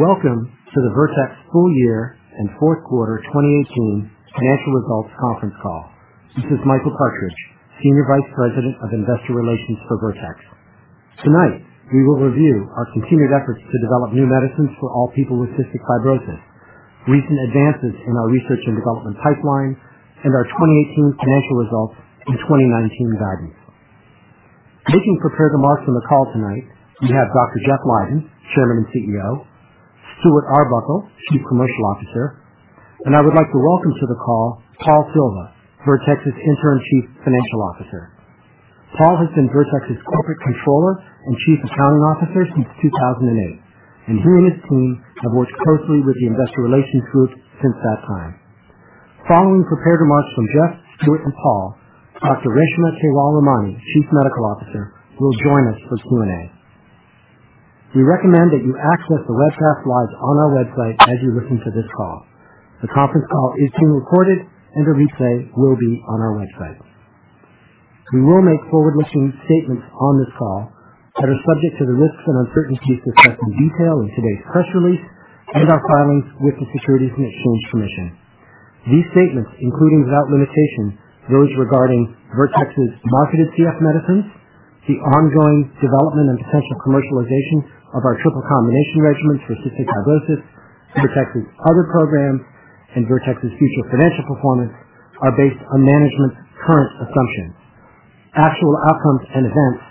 Welcome to the Vertex Full Year and Fourth Quarter 2018 Financial Results Conference Call. This is Michael Partridge, Senior Vice President of Investor Relations for Vertex. Tonight, we will review our continued efforts to develop new medicines for all people with cystic fibrosis, recent advances in our research and development pipeline, and our 2018 financial results and 2019 guidance. Taking prepared remarks on the call tonight, we have Dr. Jeff Leiden, Chairman and CEO, Stuart Arbuckle, Chief Commercial Officer, and I would like to welcome to the call Paul Silva, Vertex's Interim Chief Financial Officer. Paul has been Vertex's Corporate Controller and Chief Accounting Officer since 2008, and he and his team have worked closely with the investor relations group since that time. Following prepared remarks from Jeffrey, Stuart, and Paul, Dr. Reshma Kewalramani, Chief Medical Officer, will join us for Q&A. We recommend that you access the webcast live on our website as you listen to this call. The conference call is being recorded, and the replay will be on our website. We will make forward-looking statements on this call that are subject to the risks and uncertainties discussed in detail in today's press release and our filings with the Securities and Exchange Commission. These statements, including without limitation, those regarding Vertex's marketed CF medicines, the ongoing development and potential commercialization of our triple combination regimens for cystic fibrosis, Vertex's other programs, and Vertex's future financial performance are based on management's current assumptions. Actual outcomes and events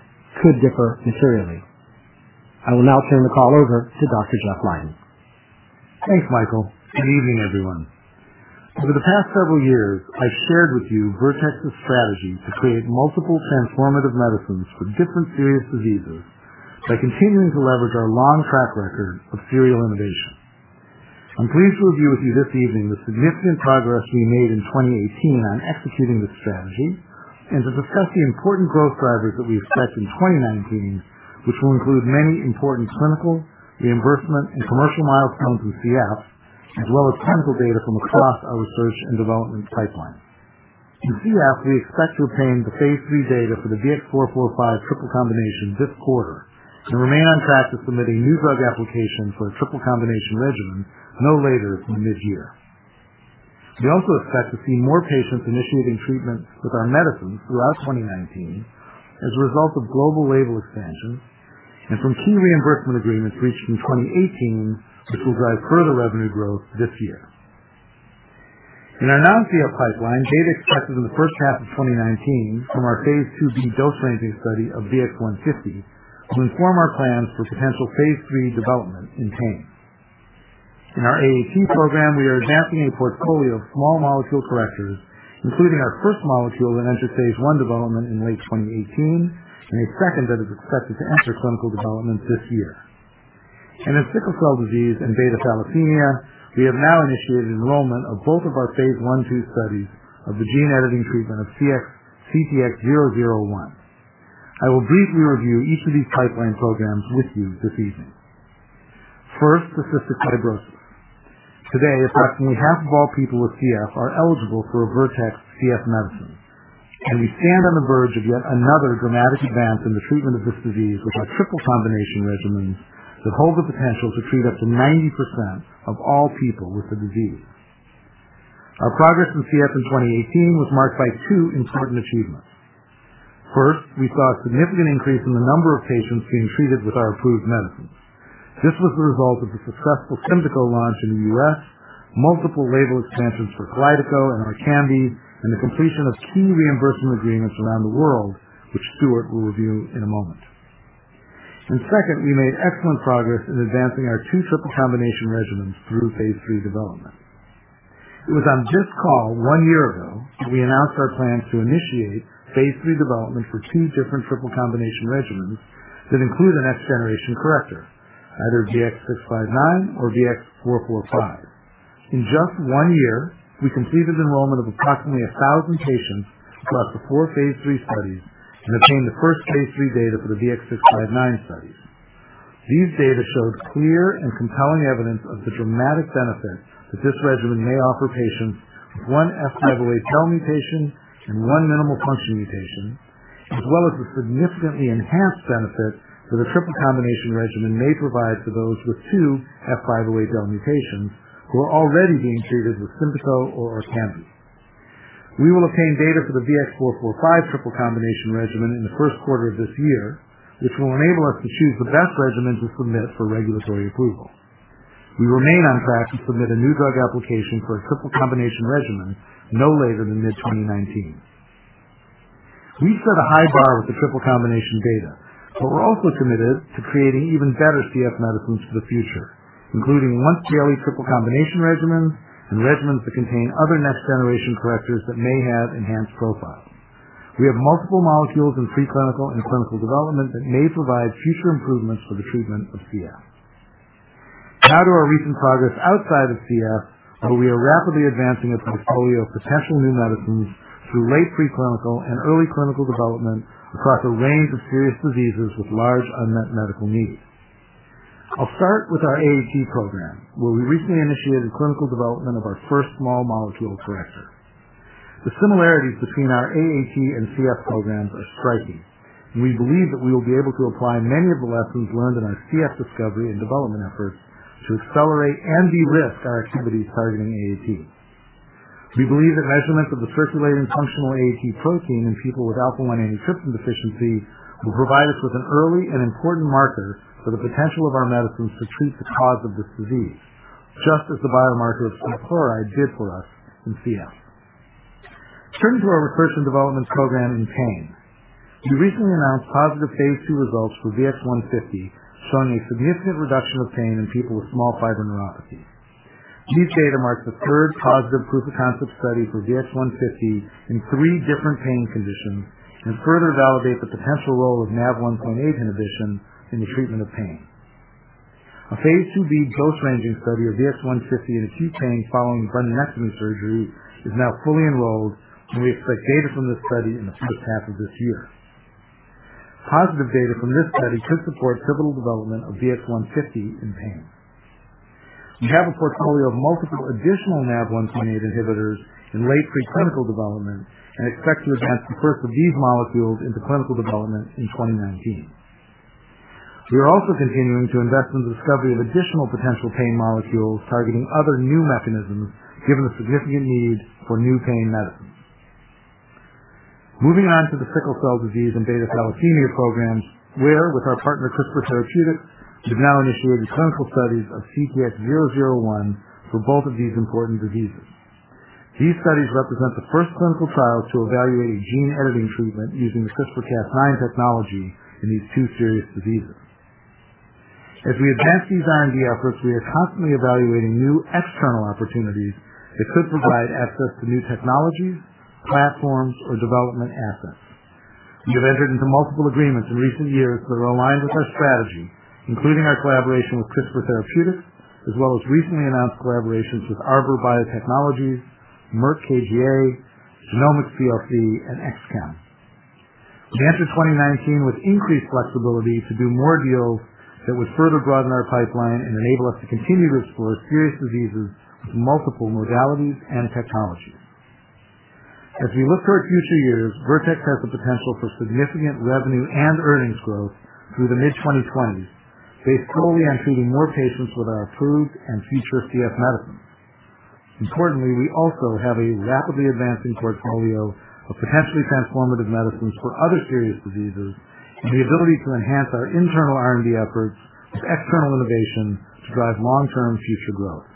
could differ materially. I will now turn the call over to Dr. Jeff Leiden. Thanks, Michael. Good evening, everyone. Over the past several years, I've shared with you Vertex's strategy to create multiple transformative medicines for different serious diseases by continuing to leverage our long track record of serial innovation. I'm pleased to review with you this evening the significant progress we made in 2018 on executing this strategy and to discuss the important growth drivers that we expect in 2019, which will include many important clinical reimbursement and commercial milestones in CF, as well as clinical data from across our research and development pipeline. In CF, we expect to obtain the phase III data for the VX-445 triple combination this quarter and remain on track to submitting New Drug Applications for a triple combination regimen no later than this year. We also expect to see more patients initiating treatment with our medicines throughout 2019 as a result of global label expansion and from key reimbursement agreements reached in 2018, which will drive further revenue growth this year. In our non-CF pipeline, data expected in the first half of 2019 from our phase II-B dose-ranging study of VX-150 will inform our plans for potential phase III development in pain. In our AAT program, we are advancing a portfolio of small molecule correctors, including our first molecule that entered phase I development in late 2018 and a second that is expected to enter clinical development this year. In sickle cell disease and beta thalassemia, we have now initiated enrollment of both of our phase I-phase II studies of the gene editing treatment of CTX001. I will briefly review each of these pipeline programs with you this evening. First, the cystic fibrosis. Today, approximately half of all people with CF are eligible for a Vertex CF medicine. We stand on the verge of yet another dramatic advance in the treatment of this disease with our triple combination regimens that hold the potential to treat up to 90% of all people with the disease. Our progress in CF in 2018 was marked by two important achievements. First, we saw a significant increase in the number of patients being treated with our approved medicines. This was the result of the successful SYMDEKO launch in the U.S., multiple label expansions for KALYDECO and ORKAMBI, and the completion of key reimbursement agreements around the world, which Stuart will review in a moment. Second, we made excellent progress in advancing our two triple combination regimens through phase III development. It was on this call one year ago that we announced our plans to initiate phase III development for two different triple combination regimens that include a next-generation corrector, either VX-659 or VX-445. In just one year, we completed enrollment of approximately 1,000 patients across the four phase III studies and obtained the first phase III data for the VX-659 studies. These data showed clear and compelling evidence of the dramatic benefit that this regimen may offer patients with one F508del mutation and one minimal function mutation, as well as the significantly enhanced benefit that a triple combination regimen may provide to those with two F508del mutations who are already being treated with SYMDEKO or ORKAMBI. We will obtain data for the VX-445 triple combination regimen in the first quarter of this year, which will enable us to choose the best regimen to submit for regulatory approval. We remain on track to submit a new drug application for a triple combination regimen no later than mid-2019. We set a high bar with the triple combination data, but we're also committed to creating even better CF medicines for the future, including once-daily triple combination regimens and regimens that contain other next-generation correctors that may have enhanced profiles. We have multiple molecules in pre-clinical and clinical development that may provide future improvements for the treatment of CF. Now to our recent progress outside of CF, where we are rapidly advancing a portfolio of potential new medicines through late pre-clinical and early clinical development across a range of serious diseases with large unmet medical needs. I'll start with our AAT program, where we recently initiated clinical development of our first small molecule corrector. The similarities between our AAT and CF programs are striking, and we believe that we will be able to apply many of the lessons learned in our CF discovery and development efforts to accelerate and de-risk our activities targeting AAT. We believe that measurements of the circulating functional AAT protein in people with Alpha-1 Antitrypsin deficiency will provide us with an early and important marker for the potential of our medicines to treat the cause of this disease, just as the biomarker of sweat chloride did for us in CF. Turning to our research and development program in pain. We recently announced positive phase II results for VX-150, showing a significant reduction of pain in people with small fiber neuropathy. These data mark the third positive proof-of-concept study for VX-150 in three different pain conditions and further validate the potential role of NaV1.8 inhibition in the treatment of pain. A phase II-B dose-ranging study of VX-150 in acute pain following bunionectomy surgery is now fully enrolled, and we expect data from this study in the first half of this year. Positive data from this study could support pivotal development of VX-150 in pain. We have a portfolio of multiple additional NaV1.8 inhibitors in late preclinical development and expect to advance the first of these molecules into clinical development in 2019. We are also continuing to invest in the discovery of additional potential pain molecules targeting other new mechanisms, given the significant need for new pain medicines. Moving on to the sickle cell disease and beta thalassemia programs, where with our partner CRISPR Therapeutics, we have now initiated clinical studies of CTX001 for both of these important diseases. These studies represent the first clinical trials to evaluate a gene editing treatment using the CRISPR/Cas9 technology in these two serious diseases. As we advance these R&D efforts, we are constantly evaluating new external opportunities that could provide access to new technologies, platforms, or development assets. We have entered into multiple agreements in recent years that are aligned with our strategy, including our collaboration with CRISPR Therapeutics, as well as recently announced collaborations with Arbor Biotechnologies, Merck KGaA, Genomics plc, and [Exon]. We enter 2019 with increased flexibility to do more deals that would further broaden our pipeline and enable us to continue to explore serious diseases with multiple modalities and technologies. As we look toward future years, Vertex has the potential for significant revenue and earnings growth through the mid-2020s, based totally on treating more patients with our approved and future CF medicines. Importantly, we also have a rapidly advancing portfolio of potentially transformative medicines for other serious diseases and the ability to enhance our internal R&D efforts with external innovation to drive long-term future growth.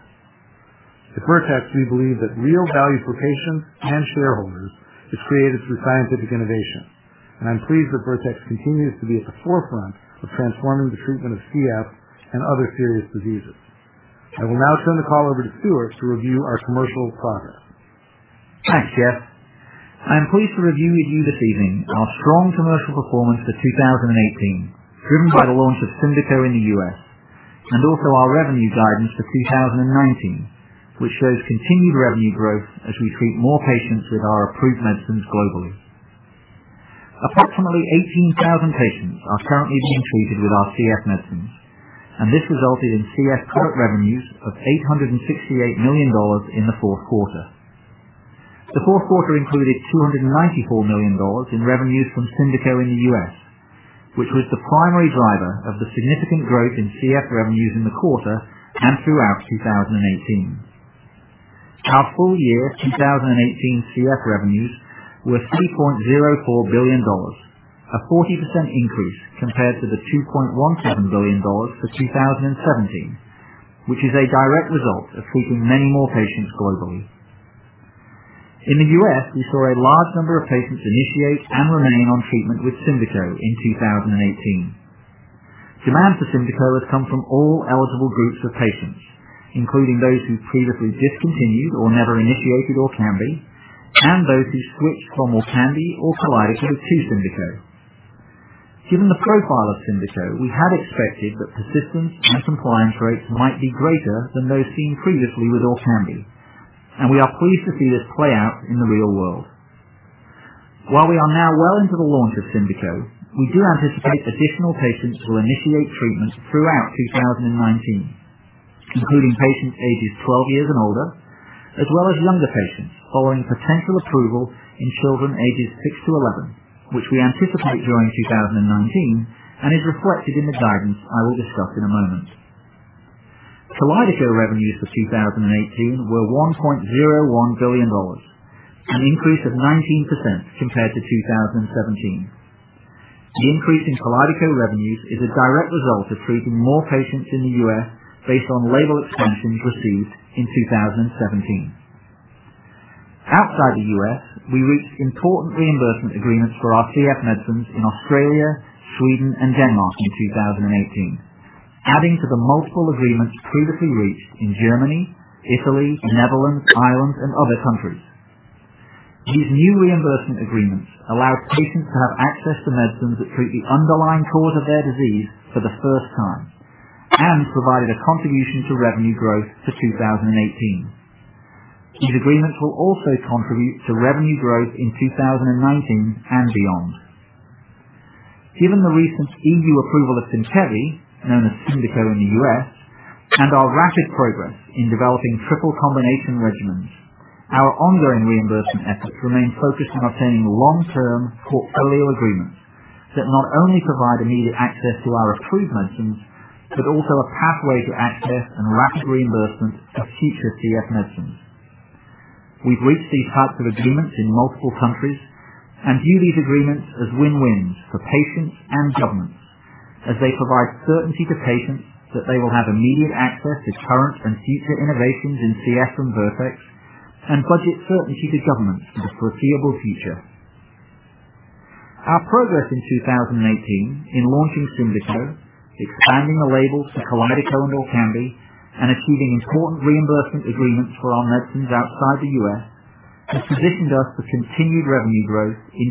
At Vertex, we believe that real value for patients and shareholders is created through scientific innovation, and I'm pleased that Vertex continues to be at the forefront of transforming the treatment of CF and other serious diseases. I will now turn the call over to Stuart to review our commercial progress. Thanks, Jeff. I am pleased to review with you this evening our strong commercial performance for 2018, driven by the launch of SYMDEKO in the U.S., and also our revenue guidance for 2019, which shows continued revenue growth as we treat more patients with our approved medicines globally. Approximately 18,000 patients are currently being treated with our CF medicines, and this resulted in CF net product revenues of $868 million in the fourth quarter. The fourth quarter included $294 million in revenues from SYMDEKO in the U.S., which was the primary driver of the significant growth in CF revenues in the quarter and throughout 2018. Our full year 2018 CF revenues were $3.04 billion, a 40% increase compared to the $2.17 billion for 2017, which is a direct result of treating many more patients globally. In the U.S., we saw a large number of patients initiate and remain on treatment with SYMDEKO in 2018. Demand for SYMDEKO has come from all eligible groups of patients, including those who previously discontinued or never initiated ORKAMBI, and those who switched from ORKAMBI or KALYDECO to SYMDEKO. Given the profile of SYMDEKO, we had expected that persistence and compliance rates might be greater than those seen previously with ORKAMBI, and we are pleased to see this play out in the real world. While we are now well into the launch of SYMDEKO, we do anticipate additional patients will initiate treatment throughout 2019, including patients ages 12 years and older, as well as younger patients following potential approval in children ages 6-11, which we anticipate during 2019 and is reflected in the guidance I will discuss in a moment. KALYDECO revenues for 2018 were $1.01 billion, an increase of 19% compared to 2017. The increase in KALYDECO revenues is a direct result of treating more patients in the U.S. based on label extensions received in 2017. Outside the U.S., we reached important reimbursement agreements for our CF medicines in Australia, Sweden, and Denmark in 2018, adding to the multiple agreements previously reached in Germany, Italy, Netherlands, Ireland, and other countries. These new reimbursement agreements allowed patients to have access to medicines that treat the underlying cause of their disease for the first time and provided a contribution to revenue growth for 2018. These agreements will also contribute to revenue growth in 2019 and beyond. Given the recent EU approval of Symkevi, known as SYMDEKO in the U.S., and our rapid progress in developing triple combination regimens, our ongoing reimbursement efforts remain focused on obtaining long-term portfolio agreements that not only provide immediate access to our approved medicines, but also a pathway to access and rapid reimbursement of future CF medicines. We've reached these types of agreements in multiple countries and view these agreements as win-wins for patients and governments, as they provide certainty to patients that they will have immediate access to current and future innovations in CF from Vertex, and budget certainty to governments for the foreseeable future. Our progress in 2018 in launching SYMDEKO, expanding the labels for KALYDECO and ORKAMBI, and achieving important reimbursement agreements for our medicines outside the U.S., has positioned us for continued revenue growth in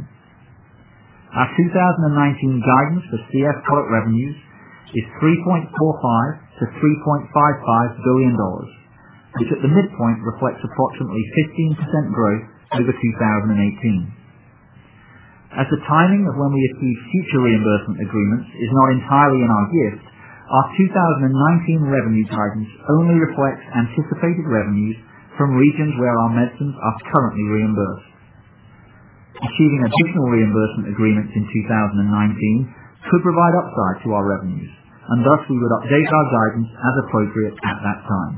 2019. Our 2019 guidance for CF net product revenues is $3.45 billion-$3.55 billion, which at the midpoint reflects approximately 15% growth over 2018. As the timing of when we achieve future reimbursement agreements is not entirely in our gift, our 2019 revenue guidance only reflects anticipated revenues from regions where our medicines are currently reimbursed. Achieving additional reimbursement agreements in 2019 could provide upside to our revenues, and thus we would update our guidance as appropriate at that time.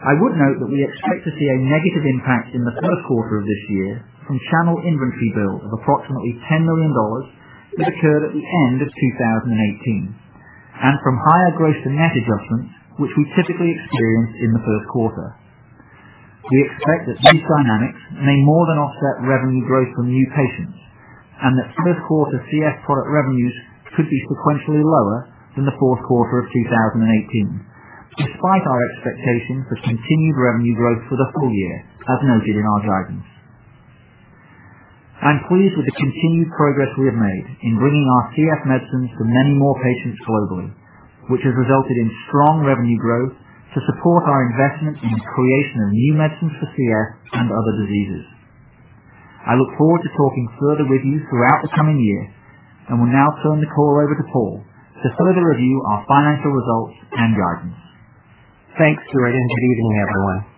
I would note that we expect to see a negative impact in the first quarter of this year from channel inventory build of approximately $10 million that occurred at the end of 2018, and from higher gross to net adjustments, which we typically experience in the first quarter. We expect that these dynamics may more than offset revenue growth from new patients, and that first quarter CF product revenues could be sequentially lower than the fourth quarter of 2018, despite our expectations of continued revenue growth for the full year, as noted in our guidance. I'm pleased with the continued progress we have made in bringing our CF medicines to many more patients globally, which has resulted in strong revenue growth to support our investment in the creation of new medicines for CF and other diseases. I look forward to talking further with you throughout the coming year. Will now turn the call over to Paul to further review our financial results and guidance. Thanks, Stuart. Good evening, everyone.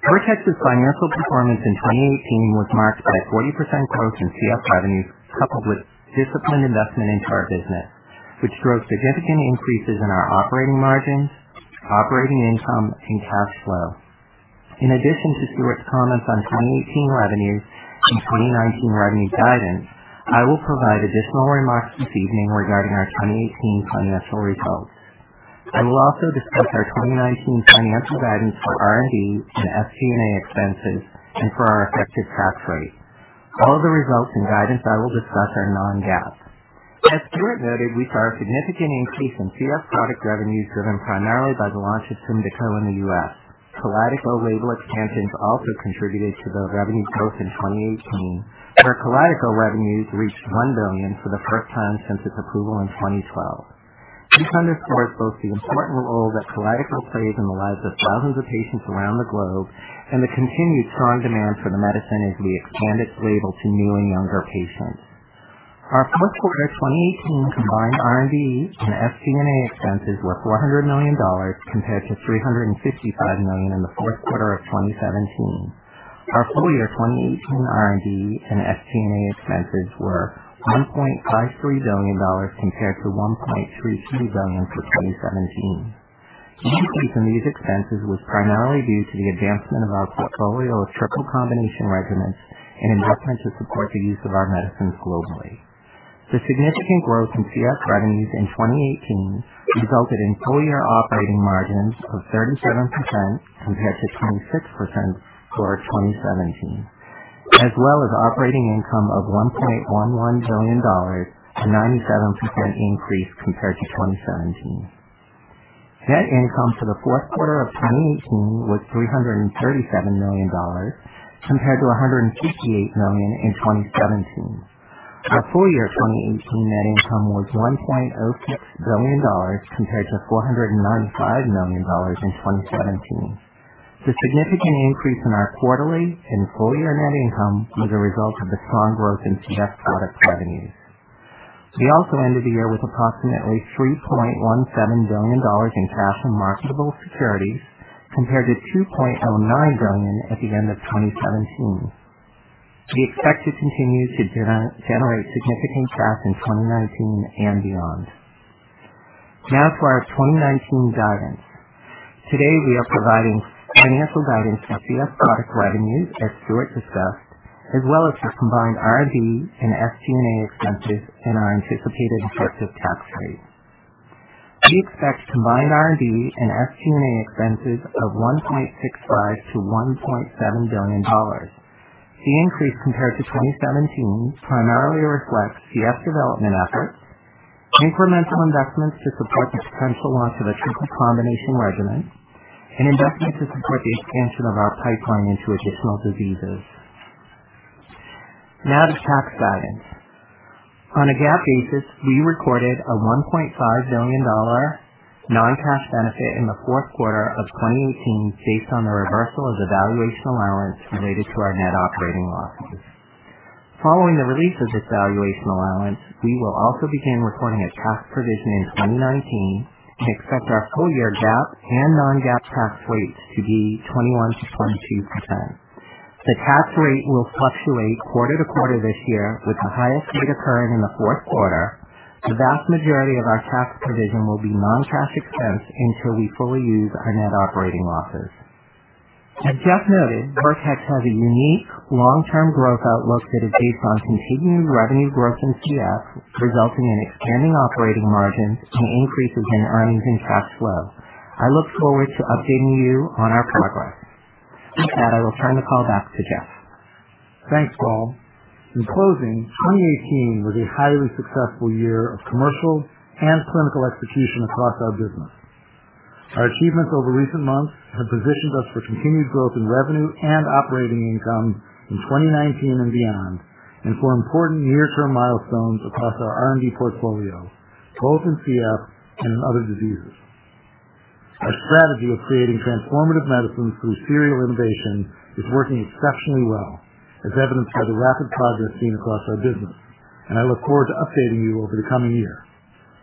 Vertex's financial performance in 2018 was marked by 40% growth in CF revenues, coupled with disciplined investment into our business, which drove significant increases in our operating margins, operating income, and cash flow. In addition to Stuart's comments on 2018 revenues and 2019 revenue guidance, I will provide additional remarks this evening regarding our 2018 financial results. I will also discuss our 2019 financial guidance for R&D and SG&A expenses and for our effective tax rate. All the results and guidance I will discuss are non-GAAP. As Stuart noted, we saw a significant increase in CF product revenues driven primarily by the launch of SYMDEKO in the U.S. KALYDECO label expansions also contributed to the revenue growth in 2018, where KALYDECO revenues reached $1 billion for the first time since its approval in 2012. This underscores both the important role that KALYDECO plays in the lives of thousands of patients around the globe and the continued strong demand for the medicine as we expand its label to new and younger patients. Our fourth quarter 2018 combined R&D and SG&A expenses were $400 million, compared to $355 million in the fourth quarter of 2017. Our full year 2018 R&D and SG&A expenses were $1.53 billion, compared to $1.33 billion for 2017. The increase in these expenses was primarily due to the advancement of our portfolio of triple combination regimens and investment to support the use of our medicines globally. The significant growth in CF revenues in 2018 resulted in full-year operating margins of 37%, compared to 26% for 2017, as well as operating income of $1.11 billion, a 97% increase compared to 2017. Net income for the fourth quarter of 2018 was $337 million, compared to $158 million in 2017. Our full-year 2018 net income was $1.06 billion compared to $495 million in 2017. The significant increase in our quarterly and full-year net income was a result of the strong growth in CF product revenues. We also ended the year with approximately $3.17 billion in cash and marketable securities, compared to $2.09 billion at the end of 2017. We expect to continue to generate significant cash in 2019 and beyond. Now to our 2019 guidance. Today, we are providing financial guidance for CF product revenues, as Stuart discussed, as well as for combined R&D and SG&A expenses and our anticipated effective tax rate. We expect combined R&D and SG&A expenses of $1.65 billion-$1.7 billion. The increase compared to 2017 primarily reflects CF development efforts, incremental investments to support the potential launch of a triple combination regimen, and investment to support the expansion of our pipeline into additional diseases. Now to tax guidance. On a GAAP basis, we recorded a $1.5 billion non-cash benefit in the fourth quarter of 2018 based on the reversal of the valuation allowance related to our net operating losses. Following the release of this valuation allowance, we will also begin recording a tax provision in 2019 and expect our full-year GAAP and non-GAAP tax rates to be 21%-22%. The tax rate will fluctuate quarter to quarter this year, with the highest rate occurring in the fourth quarter. The vast majority of our tax provision will be non-cash expense until we fully use our net operating losses. As Jeff noted, Vertex has a unique long-term growth outlook that is based on continued revenue growth in CF, resulting in expanding operating margins and increases in earnings and cash flow. I look forward to updating you on our progress. With that, I will turn the call back to Jeff. Thanks, Paul. In closing, 2018 was a highly successful year of commercial and clinical execution across our business. Our achievements over recent months have positioned us for continued growth in revenue and operating income in 2019 and beyond, and for important near-term milestones across our R&D portfolio, both in CF and in other diseases. Our strategy of creating transformative medicines through serial innovation is working exceptionally well, as evidenced by the rapid progress seen across our business, and I look forward to updating you over the coming year.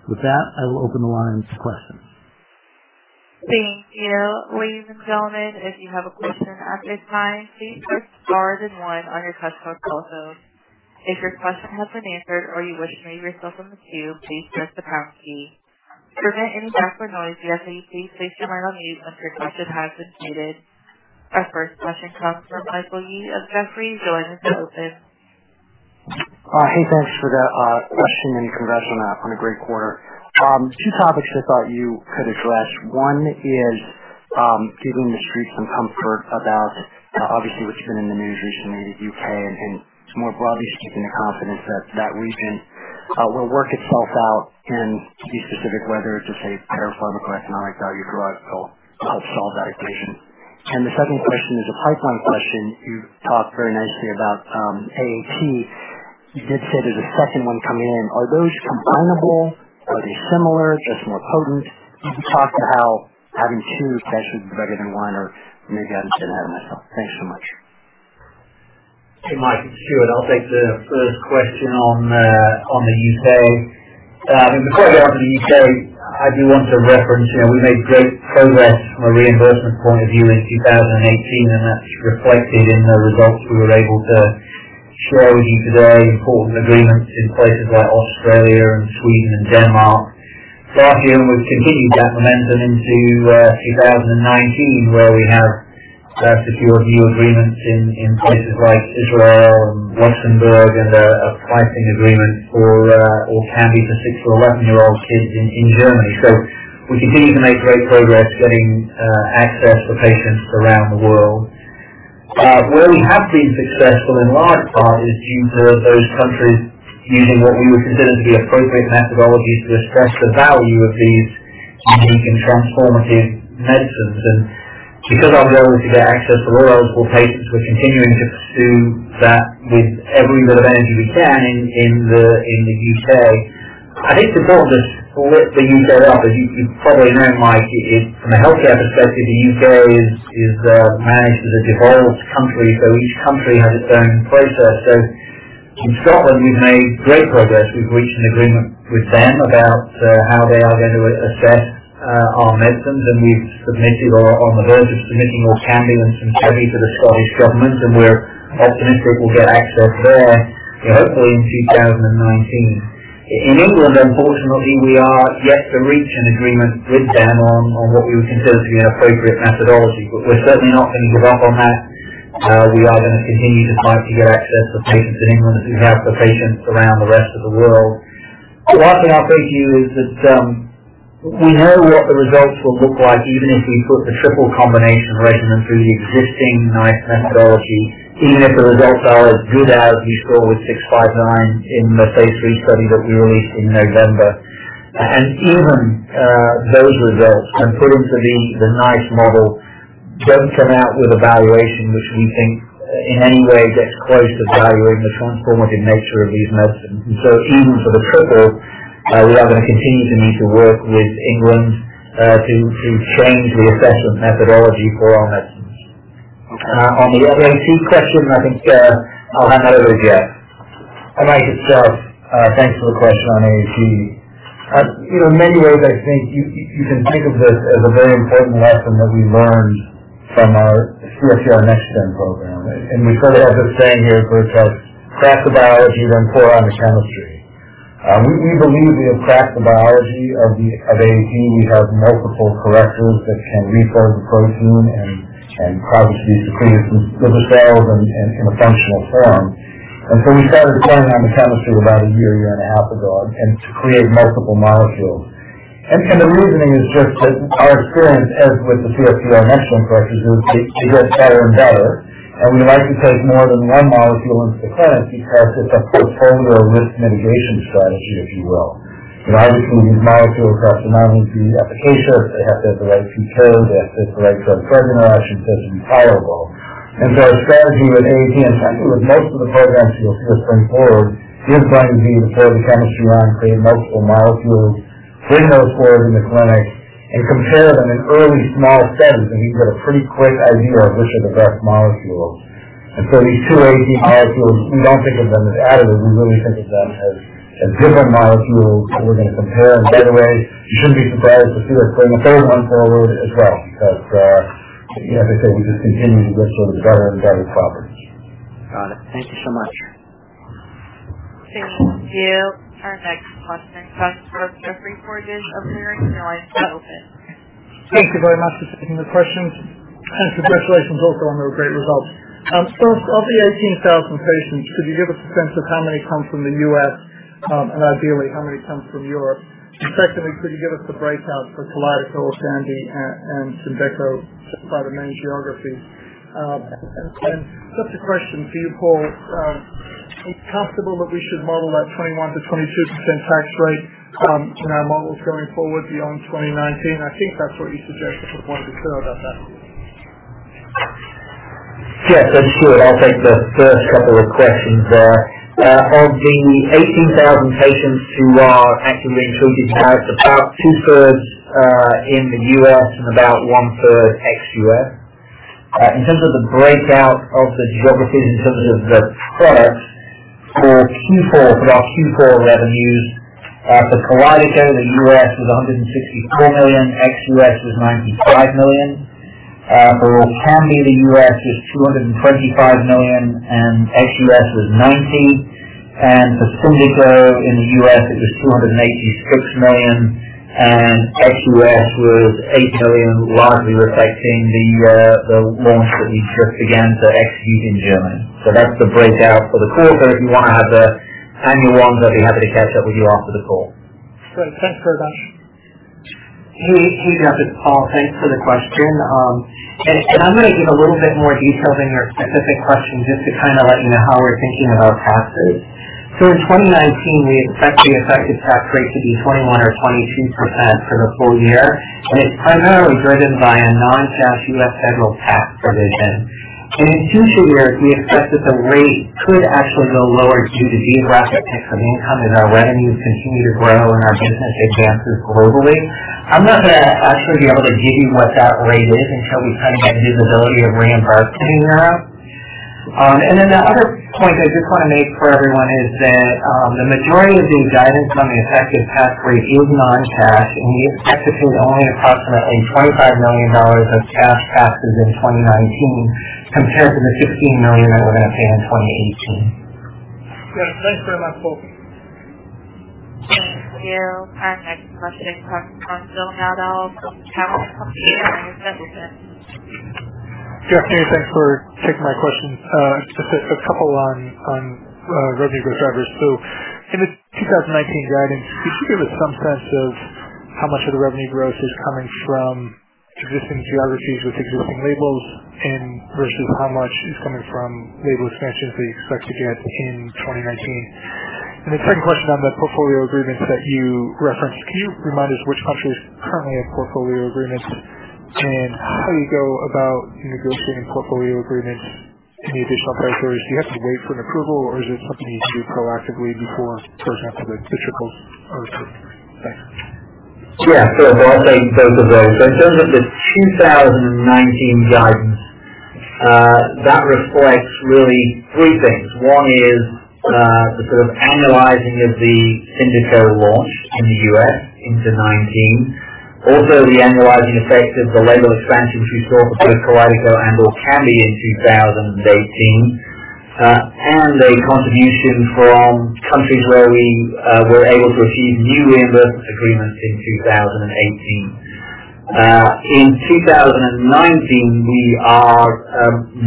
With that, I will open the line to questions. Thank you. Ladies and gentlemen, if you have a question at this time, please press star then one on your touchtone telephone. If your question has been answered or you wish to remove yourself from the queue, please press the pound key. To prevent any background noise, we ask that you please place yourself on mute once your question has been stated. Our first question comes from Michael Yee of Jefferies. Go ahead, Michael. Hey, thanks for the question and congrats on a great quarter. Two topics I thought you could address. One is giving the street some comfort about, obviously, what's been in the news recently in the U.K., and more broadly, just keeping the confidence that region will work itself out and to be specific, whether it's just a therapeutic or economic value drug that will help solve that equation. The second question is a pipeline question. You talked very nicely about AAT. You did say there's a second one coming in. Are those combinable? Are they similar, just more potent? Can you talk to how having two is actually better than one or maybe I understand that myself. Thanks so much. Hey, Mike, it's Stuart. I'll take the first question on the U.K. With regard to the U.K., I do want to reference, we made great progress from a reimbursement point of view in 2018, and that's reflected in the results we were able to share with you today, important agreements in places like Australia and Sweden and Denmark. I feel we've continued that momentum into 2019, where we have secured new agreements in places like Israel and Luxembourg and a pricing agreement for ORKAMBI for 6-11 year old kids in Germany. We continue to make great progress getting access for patients around the world. Where we have been successful, in large part is due to those countries using what we would consider to be appropriate methodologies to express the value of these unique and transformative medicines. Because our ability to get access for all eligible patients, we're continuing to pursue that with every bit of energy we can in the U.K. I think it's important to split the U.K. up. As you probably know, Mike, from a healthcare perspective, the U.K. is managed as a devolved country, each country has its own process. In Scotland, we've made great progress. We've reached an agreement with them about how they are going to assess our medicines, and we've submitted or are on the verge of submitting ORKAMBI and SYMDEKO to the Scottish Government, and we're optimistic we'll get access there hopefully in 2019. In England, unfortunately, we are yet to reach an agreement with them on what we would consider to be an appropriate methodology. We're certainly not going to give up on that. We are going to continue to fight to get access for patients in England as we have for patients around the rest of the world. The one thing I'll say to you is that we know what the results will look like even if you put the triple combination regimen through the existing NICE methodology, even if the results are as good as you saw with VX-659 in the phase III study that we released in November. Even those results, when put into the NICE model, don't come out with a valuation which we think in any way gets close to valuing the transformative nature of these medicines. Even for the triple, we are going to continue to need to work with England to change the assessment methodology for our medicines. On the AAT question, I think I'll hand that over to Jeff. Michael, it's Jeff. Thanks for the question on AAT. In many ways, I think you can think of this as a very important lesson that we learned from our CFTR Next Gen program. We sort of have a saying here, which is "Craft the biology, then pour on the chemistry." We believe we have crafted the biology of AAT. We have multiple correctors that can refold the protein and cause it to be secreted to the cell and in a functional form. We started pouring on the chemistry about a year and a half ago, to create multiple molecules. The reasoning is just that our experience as with the CFTR Next Gen correctors is they get better and better. We would like to take more than one molecule into the clinic because it's a portfolio risk mitigation strategy, if you will. Obviously, these molecules have to not only be efficacious, they have to have the right PK, they have to have the right tolerability. Our strategy with AAT and with most of the programs you'll see us bring forward is going to be to pour the chemistry on, create multiple molecules, bring those forward in the clinic, and compare them in early small settings, and you get a pretty quick idea of which are the best molecules. These two AAT molecules, we don't think of them as additives, we really think of them as different molecules that we're going to compare. By the way, you shouldn't be surprised to see us bring a third one forward as well, because as I said, we just continue with sort of better and better properties. Got it. Thank you so much. Thank you. Our next question comes from Geoffrey Porges of Leerink. Your line is now open. Thank you very much for taking the questions and congratulations also on those great results. First, of the 18,000 patients, could you give us a sense of how many come from the U.S. and ideally, how many come from Europe? Secondly, could you give us the breakout for KALYDECO, ORKAMBI, and SYMDEKO by the main geography? Just a question, do you call it possible that we should model that 21%-22% tax rate in our models going forward beyond 2019? I think that's what you suggested, but wanted to be clear about that. Yes, that's Stuart. I'll take the first couple of questions there. Of the 18,000 patients who are actively included now, it's about two-thirds in the U.S. and about one-third ex-U.S. In terms of the breakout of the geographies in terms of the products, for our Q4 revenues for KALYDECO, the U.S. was $164 million, ex-U.S. was $95 million. For ORKAMBI, the U.S. is $225 million and ex-U.S. is $90, and SYMDEKO in the U.S., it was $286 million, and ex-U.S. was $8 million, largely reflecting the launch that we just began to execute in Germany. That's the breakout for the quarter. If you want to have the annual ones, I'd be happy to catch up with you after the call. Great. Thanks very much. Hey, Jeff, it's Paul. Thanks for the question. I'm going to give a little bit more detail than your specific question, just to let you know how we're thinking about tax rates. In 2019, we expect the effective tax rate to be 21% or 22% for the full year, and it's primarily driven by a non-cash U.S. federal tax provision. In future years, we expect that the rate could actually go lower due to geographic mix of income as our revenues continue to grow and our business advances globally. I'm not going to actually be able to give you what that rate is until we get visibility of reimbursements. The other point I just want to make for everyone is that the majority of the guidance on the effective tax rate is non-cash, and we expect to pay only approximately $25 million of cash taxes in 2019 compared to the $15 million that we're going to pay in 2018. Great. Thanks very much, Paul. Thank you. Our next question comes from Phil Nadeau of Cowen. Your line is open. Jeff, hey, thanks for taking my questions. Just a couple on revenue growth drivers. In the 2019 guidance, could you give us some sense of how much of the revenue growth is coming from existing geographies with existing labels versus how much is coming from label expansions that you expect to get in 2019? The second question on the portfolio agreements that you referenced, can you remind us which countries currently have portfolio agreements and how you go about negotiating portfolio agreements? Any additional factors? Do you have to wait for an approval, or is it something you do proactively before, for example, the regulatory approval? Thanks. Yeah, sure. I'll take both of those. In terms of the 2019 guidance, that reflects really three things. One is the sort of annualizing of the SYMDEKO launch in the U.S. into 2019. Also, the annualizing effect of the label expansion which we saw for both TRIKAFTA and ORKAMBI in 2018, a contribution from countries where we were able to achieve new reimbursement agreements in 2018. In 2019, we are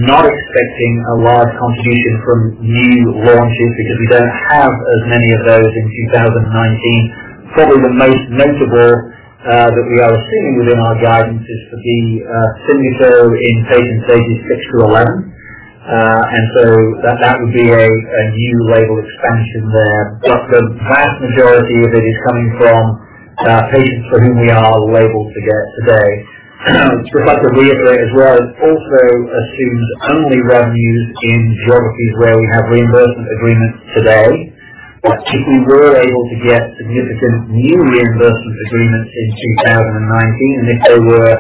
not expecting a large contribution from new launches because we don't have as many of those in 2019. Probably the most notable that we are assuming within our guidance is for the SYMDEKO in patients ages six through 11. That would be a new label expansion there. The vast majority of it is coming from patients for whom we are labeled today. Just like to reiterate as well, it also assumes only revenues in geographies where we have reimbursement agreements today. If we were able to get significant new reimbursement agreements in 2019, and if they were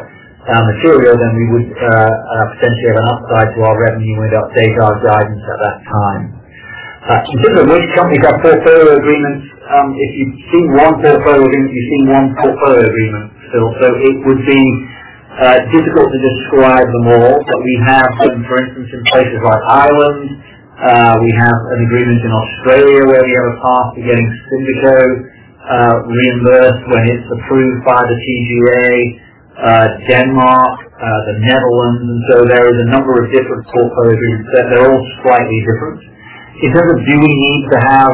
material, then we would potentially have an upside to our revenue and would update our guidance at that time. In terms of which companies have portfolio agreements, if you've seen one portfolio agreement, you've seen one portfolio agreement, Phil. It would be difficult to describe them all. We have them, for instance, in places like Ireland. We have an agreement in Australia where we have a path to getting SYMDEKO reimbursed when it's approved by the TGA. Denmark, the Netherlands. There is a number of different portfolio agreements. They're all slightly different. In terms of do we need to have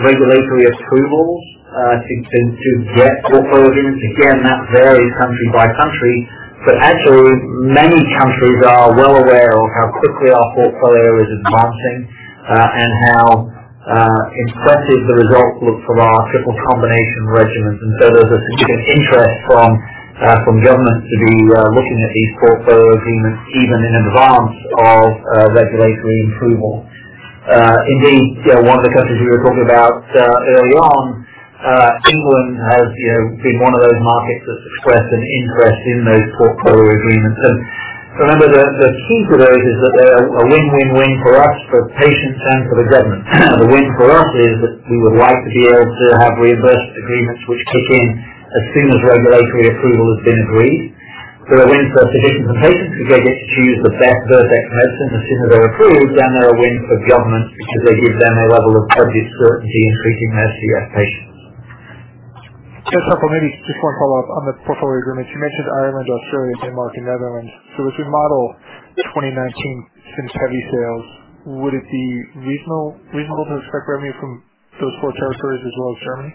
regulatory approvals to get portfolio agreements, again, that varies country by country. Actually, many countries are well aware of how quickly our portfolio is advancing and how impressive the results look for our triple combination regimens. There's a significant interest from governments to be looking at these portfolio agreements even in advance of regulatory approval. Indeed, one of the countries we were talking about early on, England has been one of those markets that's expressed an interest in those portfolio agreements. Remember, the key to those is that they're a win-win-win for us, for patients, and for the government. The win for us is that we would like to be able to have reimbursement agreements which kick in as soon as regulatory approval has been agreed. They're a win for physicians and patients because they get to use the best Vertex medicines as soon as they're approved. They're a win for government because they give them a level of budget certainty in treating CF patients. Just a couple. Maybe just one follow-up on the portfolio agreements. You mentioned Ireland, Australia, Denmark, and Netherlands. As we model 2019 Symkevi sales, would it be reasonable to expect revenue from those four territories as well as Germany?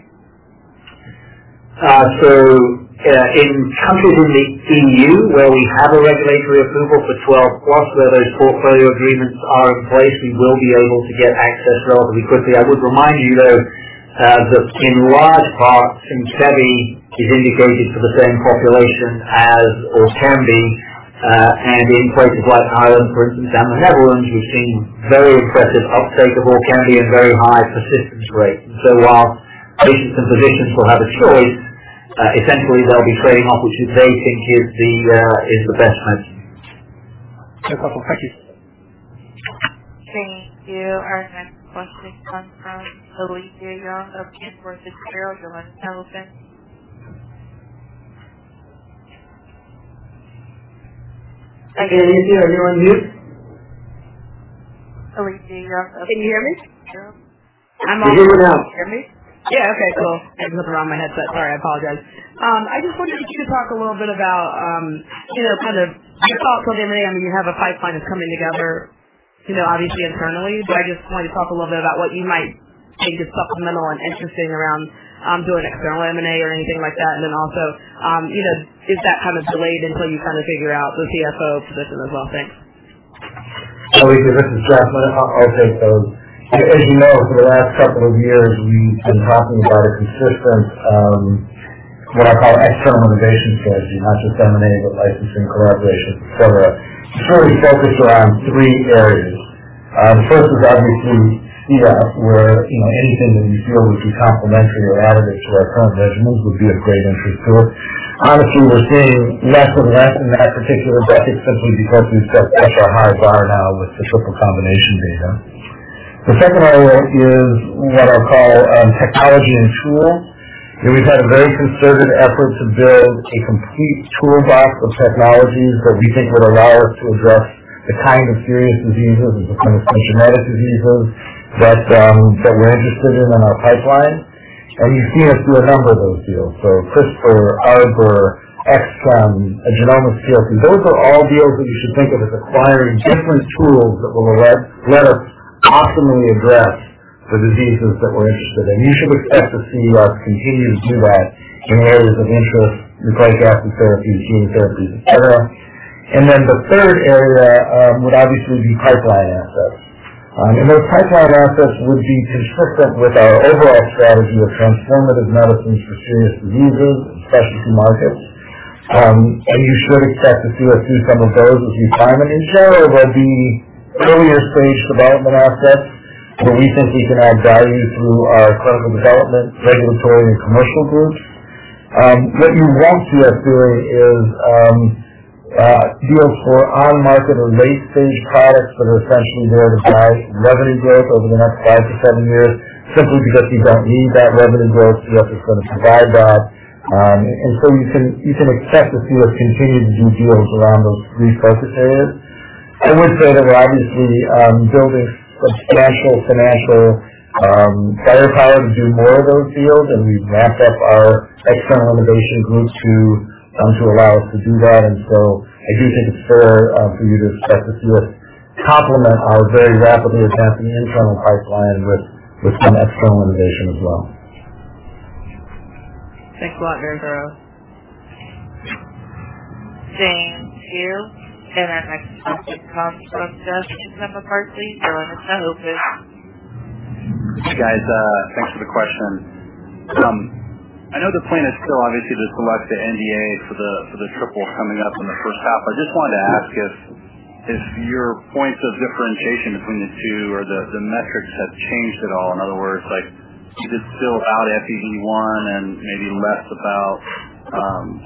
In countries in the EU where we have a regulatory approval for 12+, where those portfolio agreements are in place, we will be able to get access relatively quickly. I would remind you, though, that in large part, Symkevi is indicated for the same population as ORKAMBI. In places like Ireland, for instance, and the Netherlands, we've seen very impressive uptake of ORKAMBI and very high persistence rates. While patients and physicians will have a choice, essentially they'll be trading off which they think is the best medicine. Okay, couple. Thank you. Thank you. Our next question comes from Olivier Young of Jefferies. Your line is open. Can you hear me? Are you on mute? Can we hear you? Can you hear me? Yeah. I'm. We hear you now. Can you hear me? Yeah. Okay, cool. I had to flip around my headset. Sorry, I apologize. I just wondered if you could talk a little bit about your thoughts on M&A. You have a pipeline that's coming together, obviously internally, but I just wanted to talk a little bit about what you might think is supplemental and interesting around doing external M&A or anything like that. Is that delayed until you figure out the CFO position as well? Thanks. Liisa, this is Jeff. I'll take those. As you know, for the last couple of years, we've been talking about a consistent, what I call external innovation strategy. Not just M&A, but licensing, collaboration, et cetera, to truly focus around three areas. The first is obviously CF, where anything that we feel would be complementary or additive to our current measurements would be of great interest to us. Honestly, we're seeing less of that in that particular bucket simply because we've set such a high bar now with the triple combination data. The second area is what I'll call technology and tools, where we've had a very concerted effort to build a complete toolbox of technologies that we think would allow us to address the kind of serious diseases and the kind of genetic diseases that we're interested in in our pipeline. You've seen us do a number of those deals. CRISPR, Arbor Biotechnologies, [Exon], and Genomics plc. Those are all deals that you should think of as acquiring different tools that will let us optimally address the diseases that we're interested in. You should expect to see us continue to do that in areas of interest through pancreatic therapy, gene therapy, et cetera. The third area would obviously be pipeline assets. Those pipeline assets would be consistent with our overall strategy of transformative medicines for serious diseases and specialty markets. You should expect to see us do some of those as you time them. In general, they'll be earlier stage development assets where we think we can add value through our clinical development, regulatory, and commercial groups. What you won't see us doing is deals for on-market or late-stage products that are essentially there to drive revenue growth over the next five to seven years, simply because we don't need that revenue growth. The others going to provide that. You can expect to see us continue to do deals around those three focus areas. I would say that we're obviously building substantial financial firepower to do more of those deals, and we've ramped up our external innovation group to allow us to do that. I do think it's fair for you to expect to see us complement our very rapidly advancing internal pipeline with some external innovation as well. Thanks a lot. Very thorough. Thank you. Our next question comes from Jeff in the firm Barclays. Your line is now open. Hey, guys. Thanks for the question. I know the plan is still obviously to select the NDA for the triple coming up in the first half. I just wanted to ask if your points of differentiation between the two or the metrics have changed at all. In other words, is it still about FEV1 and maybe less about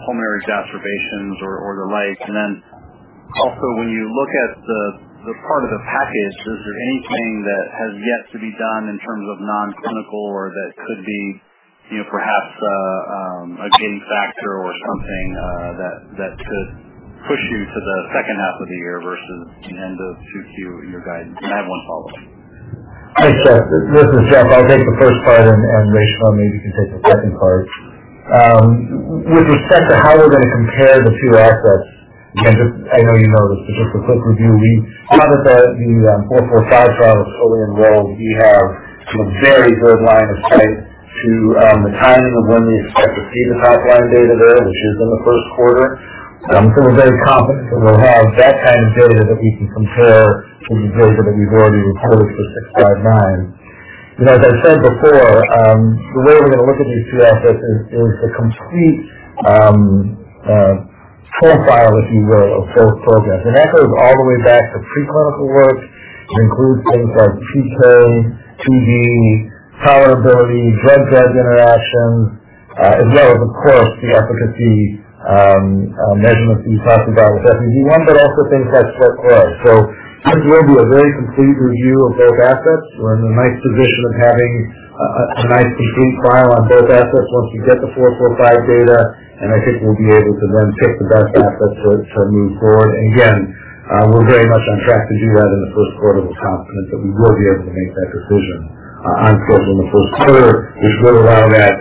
pulmonary exacerbations or the like? When you look at the part of the package, is there anything that has yet to be done in terms of non-clinical or that could be perhaps a game factor or something that could push you to the second half of the year versus an end of 2Q in your guidance? I have one follow-up. Hey, Jeff. This is Jeff. I'll take the first part. Reshma, maybe you can take the second part. With respect to how we're going to compare the two assets, again, I know you know this, but just a quick review. Now that the VX-445 trial is fully enrolled, we have a very good line of sight to the timing of when we expect to see the top-line data there, which is in the first quarter. We're very confident that we'll have that kind of data that we can compare to the data that we've already reported for VX-659. As I said before, the way we're going to look at these two assets is the complete profile, if you will, of both programs. That goes all the way back to pre-clinical work. It includes things like PK, PD, tolerability, drug-drug interactions, as well as, of course, the efficacy measurements that you talked about with FEV1, but also things like sweat chloride. It will be a very complete review of both assets. We're in the nice position of having a nice complete file on both assets once we get the VX-445 data. I think we'll be able to then pick the best asset to move forward. Again, we're very much on track to do that in the first quarter. We're confident that we will be able to make that decision on six in the first quarter, which would allow that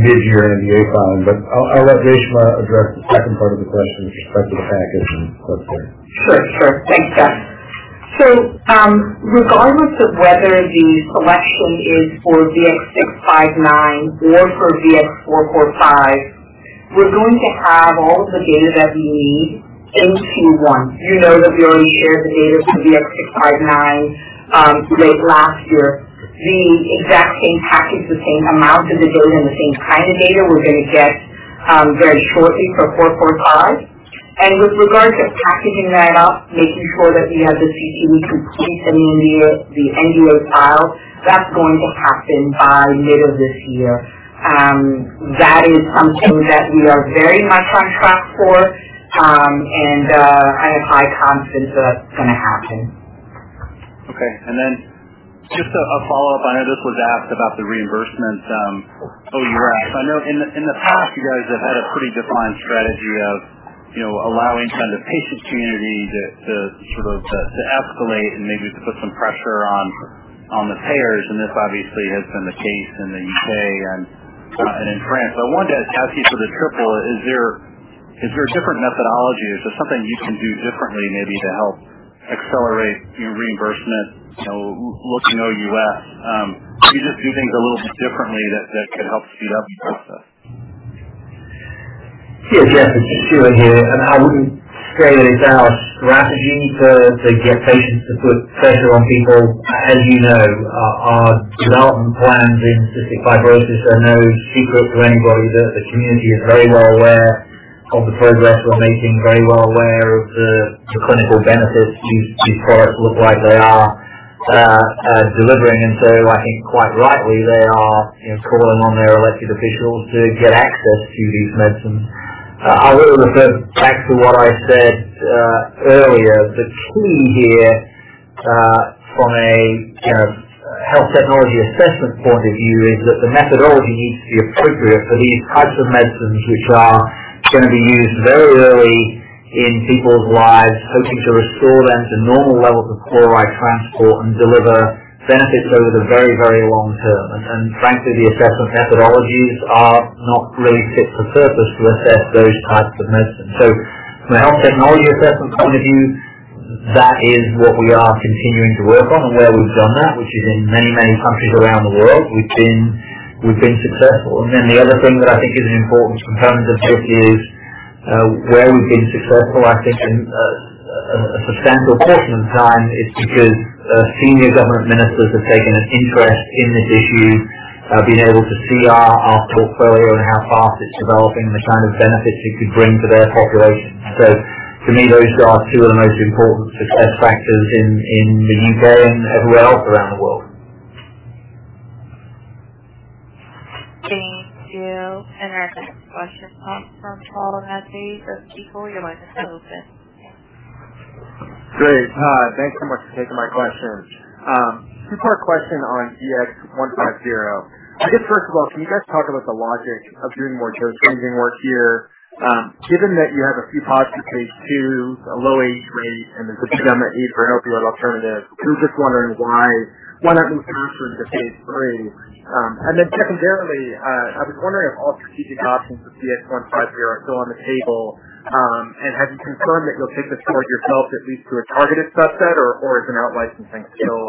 mid-year NDA filing. I'll let Reshma address the second part of the question with respect to the package and close there. Sure. Thanks, Jeff. Regardless of whether the selection is for VX-659 or for VX-445, we're going to have all of the data that we need in Q1. You know that we already shared the data for VX-659 late last year. The exact same package, the same amount of the data, the same kind of data we're going to get very shortly for VX-445. With regard to packaging that up, making sure that we have the CE we can keep in the NDA file, that's going to happen by middle of this year. That is something that we are very much on track for. I am quite confident that's going to happen. Okay. Just a follow-up. I know this was asked about the reimbursement, OUS. I know in the past, you guys have had a pretty defined strategy of allowing the patient community to escalate and maybe to put some pressure on the payers, and this obviously has been the case in the U.K. and in France. I wanted to ask you for the triple, is there a different methodology? Is there something you can do differently, maybe to help accelerate your reimbursement looking OUS? Could you just do things a little bit differently that could help speed up the process? Yeah, Jeff, it's Stuart Arbuckle here. I wouldn't say that it's our strategy to get patients to put pressure on people. As you know, our development plans in cystic fibrosis are no secret to anybody. The community is very well aware of the progress we're making, very well aware of the clinical benefits these products look like they are delivering. I think quite rightly, they are calling on their elected officials to get access to these medicines. I will refer back to what I said earlier. The key here from a health technology assessment point of view is that the methodology needs to be appropriate for these types of medicines, which are going to be used very early in people's lives, hoping to restore them to normal levels of chloride transport and deliver benefits over the very, very long term. Frankly, the assessment methodologies are not really fit for purpose to assess those types of medicines. From a health technology assessment point of view, that is what we are continuing to work on and where we've done that, which is in many, many countries around the world. We've been successful. The other thing that I think is an important component of this is, where we've been successful, I think a substantial portion of the time is because senior government ministers have taken an interest in this issue, being able to see our portfolio and how fast it's developing and the kind of benefits it could bring to their population. To me, those are two of the most important success factors in the U.K. and everywhere else around the world. Thank you. Our next question comes from Paul Matteis of Stifel. Your line is now open. Great. Thanks so much for taking my question. Two-part question on VX-150. I guess, first of all, can you guys talk about the logic of doing more dose ranging work here? Given that you have a few positive phase IIs, a low AE rate, and the systemic need for an opioid alternative, I was just wondering why one wouldn't move faster into phase III. Secondarily, I was wondering if all strategic options for VX-150 are still on the table. Have you confirmed that you'll take this forward yourself, at least to a targeted subset, or is an out-licensing still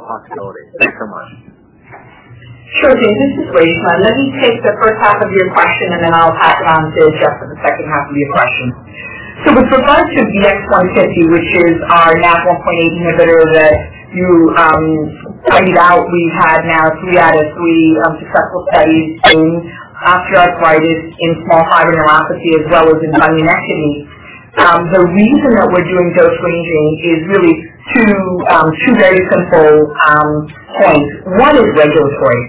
a possibility? Thanks so much. Sure, James. This is Reshma. Let me take the first half of your question. I'll pass it on to Jeff for the second half of your question. With regard to VX-150, which is our NaV1.8 inhibitor that you pointed out, we've had now three out of three successful studies in osteoarthritis, in small fiber neuropathy, as well as in pain and acne. The reason that we're doing dose ranging is really two very simple points. One is regulatory.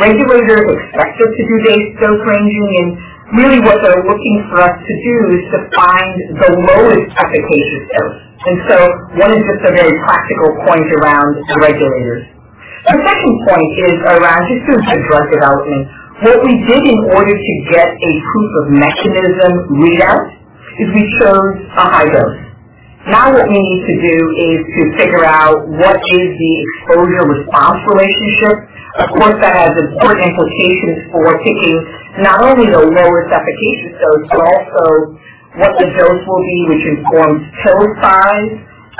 Regulators expect us to do dose ranging, and really what they're looking for us to do is to find the lowest efficacious dose. One is just a very practical point around the regulators. The second point is around just good drug development. What we did in order to get a proof of mechanism readout is we chose a high dose. What we need to do is to figure out what is the exposure-response relationship. Of course, that has important implications for picking not only the lowest efficacious dose but also what the dose will be, which informs total size,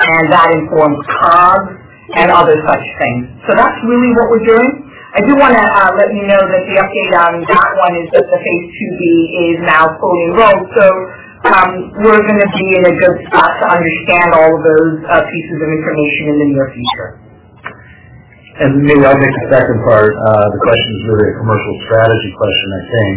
and that informs COGS and other such things. That's really what we're doing. I do want to let you know that the update on that one is that the phase II-B is now fully enrolled. We're going to be in a good spot to understand all of those pieces of information in the near future. Maybe I'll take the second part. The question is really a commercial strategy question, I think.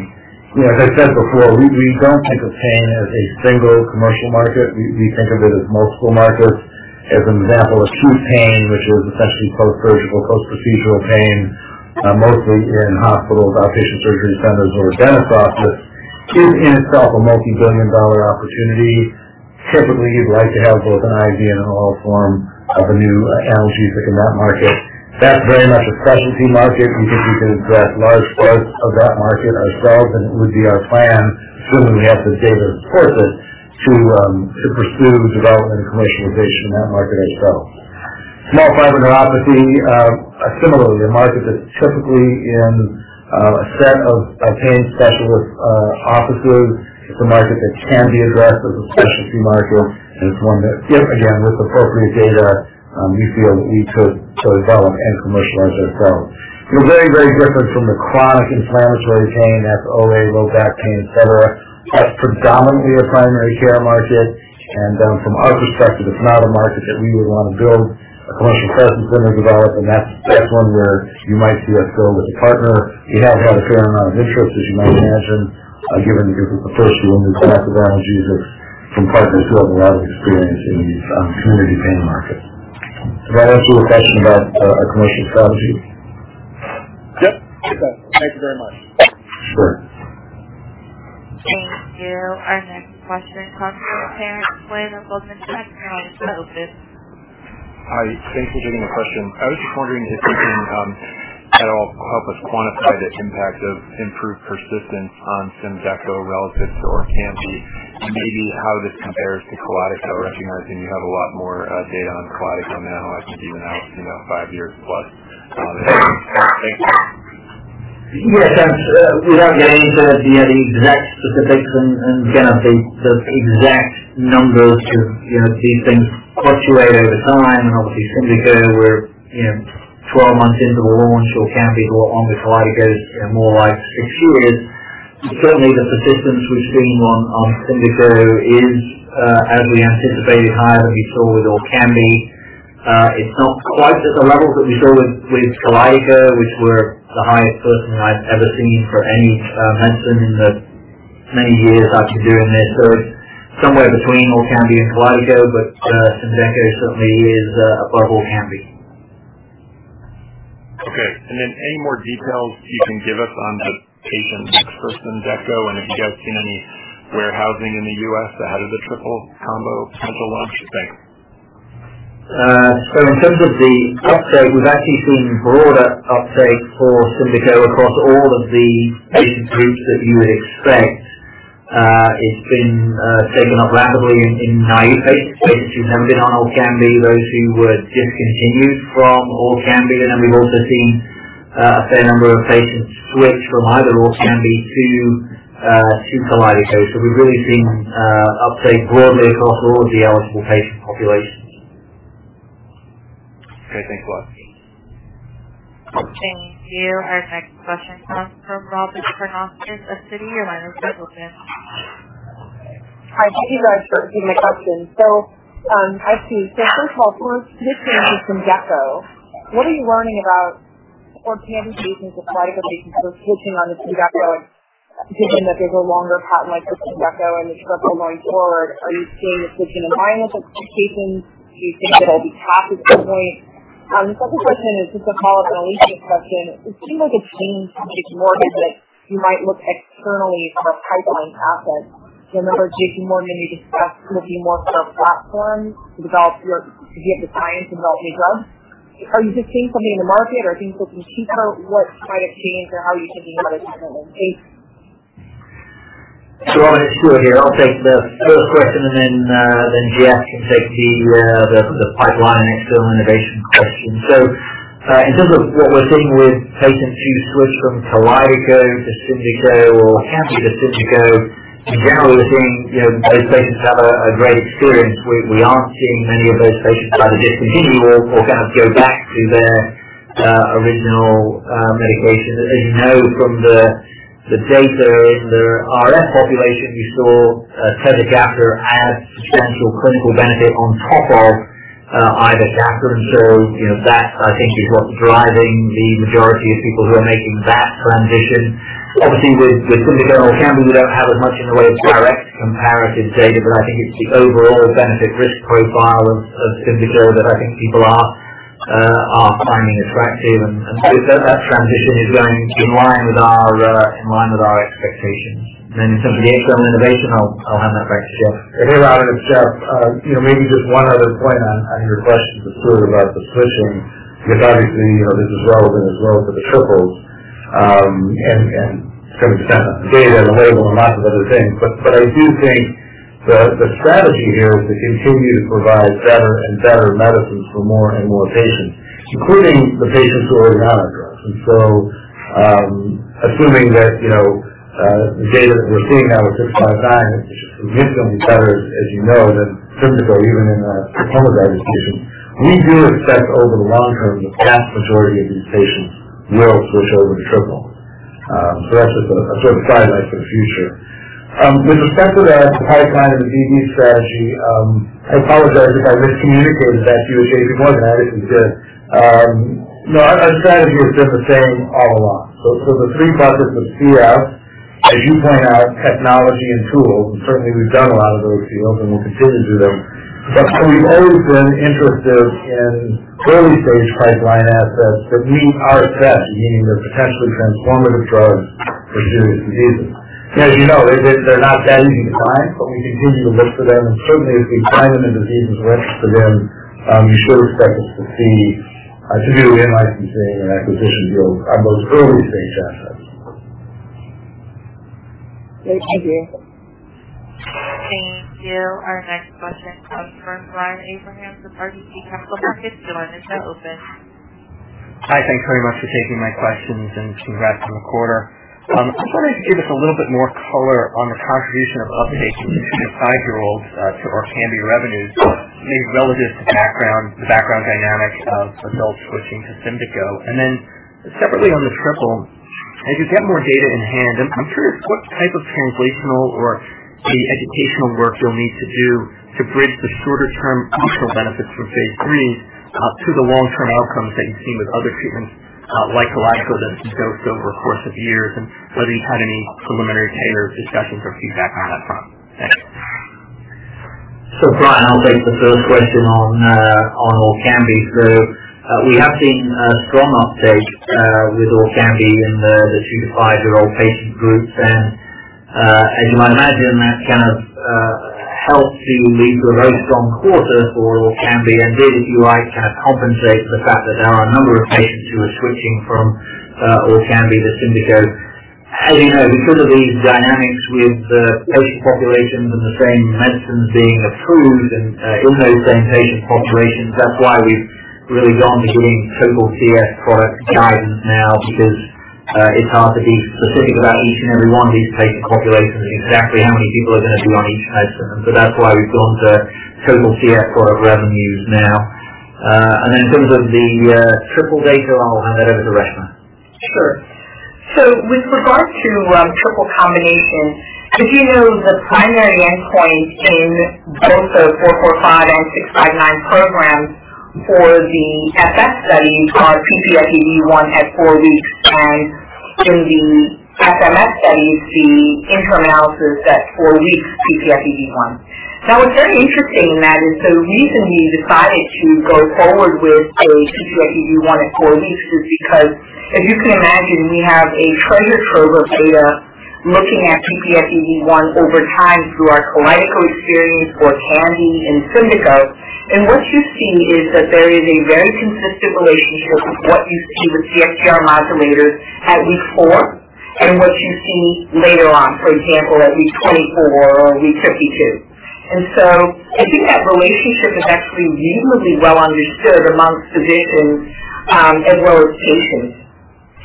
As I said before, we don't think of pain as a single commercial market. We think of it as multiple markets. As an example, acute pain, which is essentially post-surgical, post-procedural pain, mostly in hospitals, outpatient surgery centers, or a dentist's office, is in itself a multi-billion dollar opportunity. Typically, you'd like to have both an IV and an oral form of a new analgesic in that market. That's very much a specialty market. We think we could address large parts of that market ourselves, and it would be our plan when we have the data to support it, to pursue development and commercialization in that market ourselves. Small fiber neuropathy, similarly, a market that's typically in a set of pain specialist offices. It's a market that can be addressed as a specialty market, and it's one that, again, with appropriate data, we feel that we could develop and commercialize ourselves. Very, very different from the chronic inflammatory pain, that's OA, low back pain, et cetera. That's predominantly a primary care market. From our perspective, it's not a market that we would want to build a commercial presence in or develop, and that's one where you might see us go with a partner. We have had a fair amount of interest, as you might imagine, given that this is the first new molecular class of analgesics from partners who have a lot of experience in these community pain markets. Does that answer your question about our commercial strategy? Yep. Perfect. Thank you very much. Sure. Thank you. Our next question comes from Salveen Richter of Goldman Sachs. Your line is now open. Hi. Thank you for taking the question. I was just wondering if you can at all help us quantify the impact of improved persistence on SYMDEKO relative to ORKAMBI, and maybe how this compares to KALYDECO, recognizing you have a lot more data on KALYDECO now after even out 5+ years on it. Thanks. Yes. Without getting into the exact specifics and the exact numbers, these things fluctuate over time and obviously SYMDEKO, we're 12 months into the launch, or ORKAMBI or on the KALYDECO is more like six years. Certainly the persistence we've seen on SYMDEKO is, as we anticipated, higher than we saw with ORKAMBI. It's not quite at the levels that we saw with KALYDECO, which were the highest persistence I've ever seen for any medicine in the many years I've been doing this. Somewhere between ORKAMBI and KALYDECO, but SYMDEKO certainly is above ORKAMBI. Okay. Any more details you can give us on the patient mix for SYMDEKO and if you guys seen any warehousing in the U.S. ahead of the triple combo potential launch date? In terms of the uptake, we've actually seen broader uptake for SYMDEKO across all of the patient groups that you would expect. It's been taken up rapidly in naive patients who've never been on ORKAMBI, those who were discontinued from ORKAMBI. We've also seen a fair number of patients switch from either ORKAMBI to KALYDECO. We've really seen uptake broadly across all of the eligible patient populations. Okay, thanks a lot. Thank you. Our next question comes from Robyn Karnauskas of Citi. Your line is now open. Hi. Thank you for taking the question. I see. First of all, for switching to SYMDEKO, what are you learning about ORKAMBI patients or KALYDECO patients who are switching on to SYMDEKO, given that there's a longer patent life for SYMDEKO and the triple going forward, are you seeing a switch in alignment with expectations? Do you think it'll be half at this point? The second question is just a follow-up on Alethia's question. It seems like a change from JPMorgan that you might look externally for pipeline assets. Remember JPMorgan, when you discussed it would be more of a platform to get the science and develop new drugs. Are you just seeing something in the market or are things looking cheaper? What might have changed or how are you thinking about it differently? Sure. It's Stuart here. I'll take the first question and Jeff can take the pipeline external innovation question. In terms of what we're seeing with patients who switch from KALYDECO to SYMDEKO or ORKAMBI to SYMDEKO, in general, we're seeing those patients have a great experience. We aren't seeing many of those patients either discontinue or go back to their original medication. As you know from the data in the RF population, you saw tezacaftor add substantial clinical benefit on top of either ivacaftor. That I think is what's driving the majority of people who are making that transition. Obviously, with SYMDEKO and ORKAMBI, we don't have as much in the way of direct comparative data, but I think it's the overall benefit risk profile of SYMDEKO that I think people are finding attractive. That transition is going in line with our expectations. In terms of the external innovation, I'll hand that back to Jeff. Hey, Robyn, it's Jeff. Maybe just one other point on your question to Stuart about the switching, because obviously, this is relevant as well for the triples. It's going to be dependent on the data and the label and lots of other things. I do think the strategy here is to continue to provide better and better medicines for more and more patients, including the patients who are already on our drugs. Assuming that the data that we're seeing now with VX-659, which is significantly better, as you know, than SYMDEKO, even in our F/F population, we do expect over the long term, the vast majority of these patients will switch over to triple. That's just a sort of guideline for the future. With respect to the pipeline and the R&D strategy, I apologize if I miscommunicated that to you at JPMorgan. I didn't mean to. No, our strategy here has been the same all along. The three buckets of CF, as you point out, technology and tools, certainly we've done a lot in those fields, and we'll continue to do. We've always been interested in early-stage pipeline assets that meet our assess, meaning they're potentially transformative drugs for serious diseases. As you know, they're not that easy to find, we continue to look for them. Certainly, as we find them in diseases, license for them, you should expect us to see a several in-licensing and acquisition deals on those early-stage assets. Thank you. Thank you. Our next question comes from Brian Abrahams from RBC Capital Markets. Your line is now open. Hi. Thanks very much for taking my questions and congrats on the quarter. I was wondering if you could give us a little bit more color on the contribution of up patients, including 5-year-olds, to ORKAMBI revenues, maybe relative to the background dynamic of adults switching to SYMDEKO. Separately on the triple, as you get more data in hand, I'm curious what type of translational or educational work you'll need to do to bridge the shorter-term functional benefits from phase III to the long-term outcomes that you've seen with other treatments like KALYDECO that go over the course of years, and whether you've had any preliminary tailored discussions or feedback on that front. Thanks. Brian, I'll take the first question on ORKAMBI. We have seen strong uptake with ORKAMBI in the 2 to 5-year-old patient groups. As you might imagine, that kind of helps to lead to a very strong quarter for ORKAMBI and did, if you like, kind of compensate for the fact that there are a number of patients who are switching from ORKAMBI to SYMDEKO. As you know, because of these dynamics with the patient populations and the same medicines being approved in those same patient populations, that's why we've really gone to giving total CF product guidance now, because it's hard to be specific about each and every one of these patient populations and exactly how many people are going to be on each medicine. That's why we've gone to total CF product revenues now. In terms of the triple data, I'll hand that over to Reshma. Sure. With regard to triple combinations, as you know, the primary endpoint in both the VX-445 and VX-659 programs for the FF study, which are ppFEV1 at four weeks, and in the FMF study, the interim analysis at four weeks ppFEV1. What's very interesting in that, the reason we decided to go forward with a ppFEV1 at four weeks, is because, as you can imagine, we have a treasure trove of data looking at ppFEV1 over time through our KALYDECO experience, ORKAMBI, and SYMDEKO. What you see is that there is a very consistent relationship with what you see with CFTR modulators at week four and what you see later on, for example, at week 24 or week 52. I think that relationship is actually reasonably well understood amongst physicians as well as patients.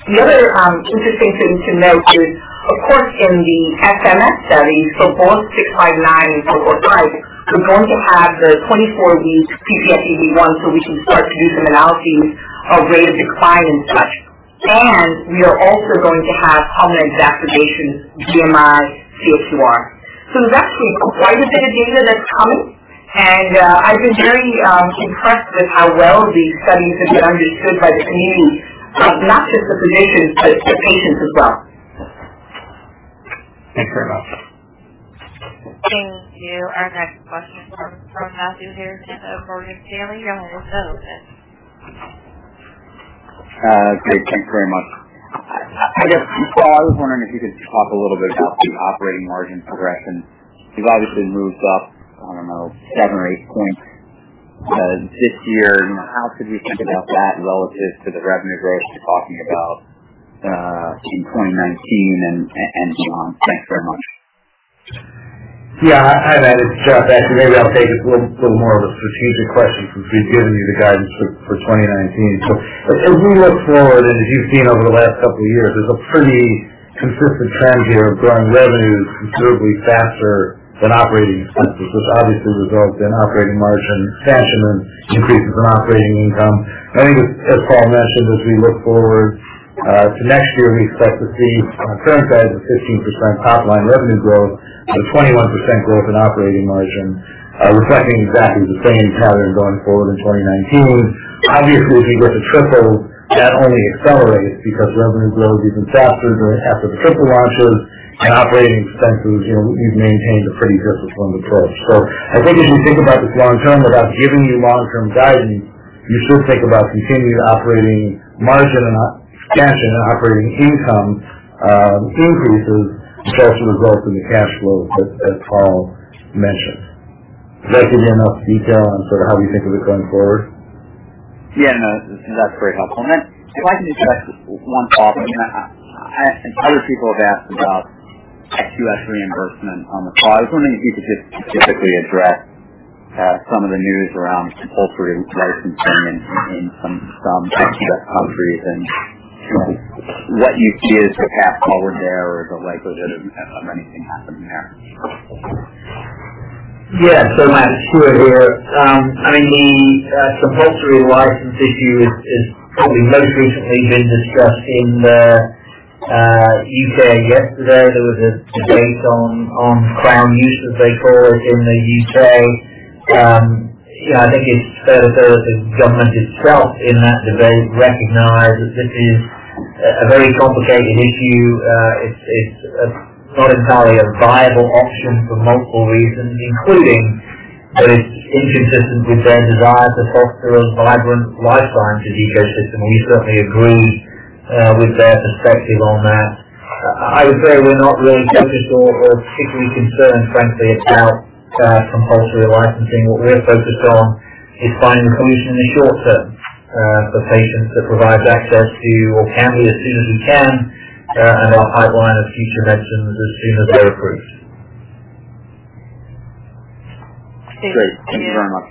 The other interesting thing to note is, of course, in the F/MF study, both VX-659 and VX-445, we're going to have the 24-week ppFEV1, so we can start to do some analyses of rate of decline and such. We are also going to have pulmonary exacerbations, BMI, CFQ-R. That's quite a bit of data that's coming, and I've been very impressed with how well these studies have been understood by the community, not just the physicians, but the patients as well. Thank you very much. Thank you. Our next question comes from Matthew Harrison of Morgan Stanley. Your line is now open. Great. Thank you very much. I guess, Paul, I was wondering if you could talk a little bit about the operating margin progression. You've obviously moved up, I don't know, seven or eight points this year. How should we think about that relative to the revenue growth you're talking about in 2019 and beyond? Thanks very much. Yeah. Hi, Matt, it's Jeff back. Maybe I'll take a little more of a strategic question since we've given you the guidance for 2019. As we look forward, as you've seen over the last couple of years, there's a pretty consistent trend here of growing revenues considerably faster than operating expenses, which obviously results in operating margin expansion and increases in operating income. As Paul mentioned, as we look forward to next year, we expect to see on a current basis a 15% top-line revenue growth and a 21% growth in operating margin, reflecting exactly the same pattern going forward in 2019. As we get to triple, that only accelerates because revenue growth will be even faster after the triple launches and operating expenses, we've maintained a pretty disciplined approach. As you think about this long term, about giving you long-term guidance, you should think about continued operating margin expansion and operating income increases, which also results in the cash flow, as Paul mentioned. Does that give you enough detail on how we think of it going forward? Yeah, no, that's very helpful. If I can just ask one follow-up. Other people have asked about U.S. reimbursement on the call. I was wondering if you could just specifically address some of the news around compulsory licensing in some developing countries and what you see as the path forward there or the likelihood of anything happening there. Yeah. Matt, it's Stuart here. The compulsory license issue has probably most recently been discussed in the U.K. yesterday. There was a debate on Crown Use, as they call it in the U.K. It's fair to say that the government itself in that debate recognized that this is a very complicated issue. It's not entirely a viable option for multiple reasons, including that it's inconsistent with their desire to foster a vibrant life sciences ecosystem, we certainly agree with their perspective on that. We're not really focused or particularly concerned, frankly, about compulsory licensing. What we're focused on is finding a solution in the short term for patients that provides access to ORKAMBI as soon as we can and our pipeline of future medicines as soon as they're approved. Great. Thank you very much.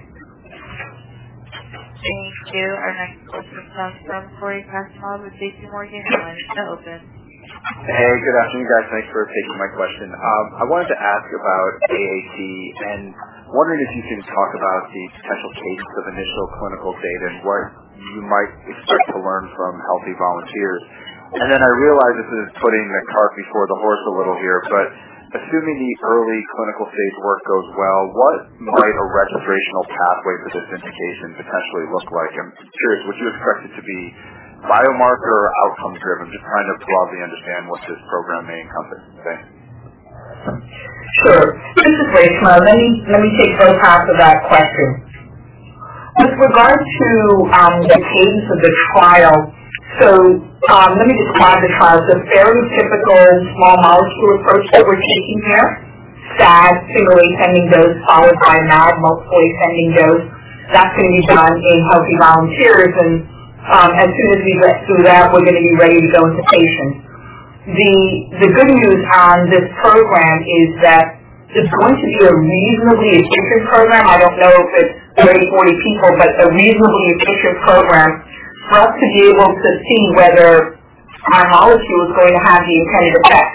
Thank you. Our next question comes from Cory Kasimov with JPMorgan. Your line is now open. Hey, good afternoon, guys. Thanks for taking my question. I wanted to ask about AAT and wondering if you can talk about the potential cadence of initial clinical data and what you might expect to learn from healthy volunteers. I realize this is putting the cart before the horse a little here, but assuming the early clinical phase work goes well, what might a registrational pathway for this indication potentially look like? I'm curious, would you expect it to be biomarker or outcomes-driven? Just trying to broadly understand what this program may encompass today. Sure. This is Reshma. Let me take both halves of that question. With regard to the pace of the trial, let me describe the trial. It's a fairly typical small molecule approach that we're taking there. SAD, single ascending dose, followed by a MAD, multiple ascending dose. That's going to be done in healthy volunteers, and as soon as we get through that, we're going to be ready to go into patients. The good news on this program is that it's going to be a reasonably efficient program. I don't know if it's 30, 40 people, but a reasonably efficient program for us to be able to see whether our molecule is going to have the intended effect,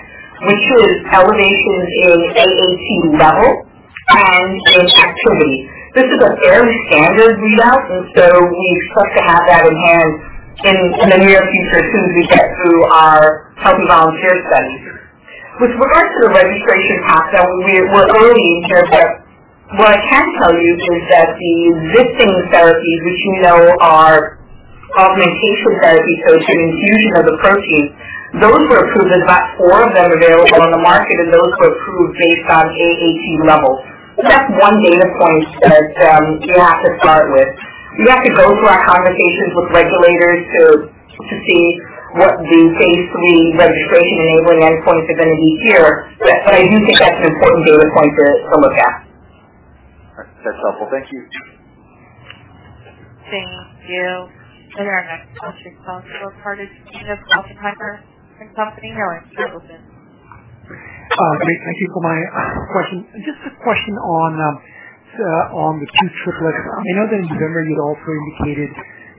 which is elevations in AAT level and in activity. This is a fairly standard readout. We expect to have that in hand in the near future as soon as we get through our healthy volunteer studies. With regard to the registration pathway, we're early. What I can tell you is that the existing therapies, which you know are augmentation therapy, so it's an infusion of the protein. Those were approved. In fact, four of them are available on the market, and those were approved based on AAT levels. That's one data point that you have to start with. We have to go through our conversations with regulators to see what the phase III registration-enabling endpoints are going to be here. I do think that's an important data point to look at. That's helpful. Thank you. Thank you. Our next question comes from Hartaj Singh, Oppenheimer & Co. Inc. Your line is open. Hi. Thank you for my question. Just a question on the two triplets. I know that in November you had also indicated